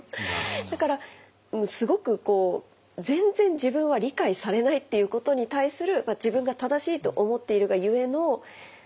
だからすごくこう全然自分は理解されないっていうことに対する自分が正しいと思っているがゆえの何かこう怒り。